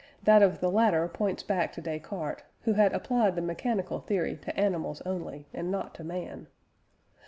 That of the latter points back to Descartes, who had applied the mechanical theory to animals only, and not to man.